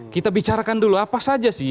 kita bicarakan dulu apa saja sih